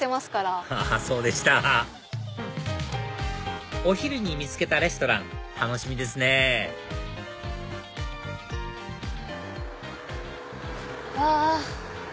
アハハそうでしたお昼に見つけたレストラン楽しみですねうわ！